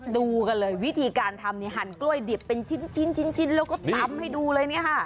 ดูกันเลยวิธีการทำหั่นกล้วยดิบเป็นชิ้นแล้วก็ตำให้ดูเลยเนี่ยค่ะ